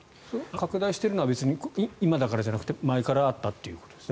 拡大しているのは別に今だからじゃなくて前からあったということですか？